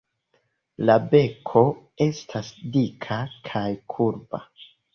La beko estas dika kaj kurba.